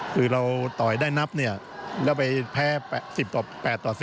คือเราต่อยได้นับเนี่ยแล้วไปแพ้๑๘ต่อ๓